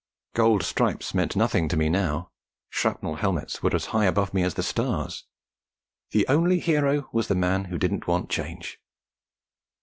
Gold stripes meant nothing to me now; shrapnel helmets were as high above me as the stars; the only hero was the man who didn't want change.